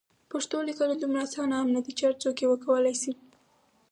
پښتو لیکنه دومره اسانه هم نده چې هر څوک یې وکولای شي.